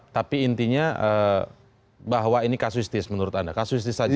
tapi intinya bahwa ini kasus istis menurut anda kasus istis saja